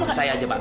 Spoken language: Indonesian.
pak saya aja pak